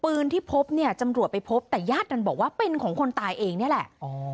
ที่พบเนี่ยตำรวจไปพบแต่ญาติดันบอกว่าเป็นของคนตายเองนี่แหละ